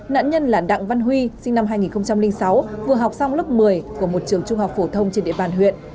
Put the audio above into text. nạn nhân là đặng văn huy sinh năm hai nghìn sáu vừa học xong lớp một mươi của một trường trung học phổ thông trên địa bàn huyện